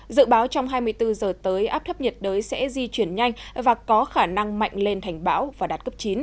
dự báo trong hai mươi bốn giờ tới áp thấp nhiệt đới sẽ di chuyển nhanh và có khả năng mạnh lên thành bão và đạt cấp chín